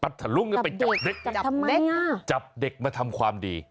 พัดทะลุงน่ะไปจับเด็กจับเด็กจับเด็กมาทำความดี